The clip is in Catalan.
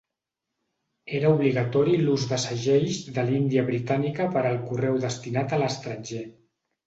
Era obligatori l'ús de segells de l'Índia britànica per al correu destinat a l'estranger.